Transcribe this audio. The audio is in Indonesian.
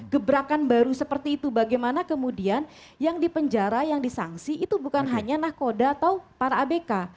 gebrakan baru seperti itu bagaimana kemudian yang di penjara yang di sangsi itu bukannya hanya nahkoda atau para abk